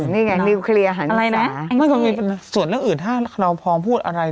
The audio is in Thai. นี่ไงนิวเคลียร์หันอะไรนะมันก็มีส่วนเรื่องอื่นถ้าเราพร้อมพูดอะไร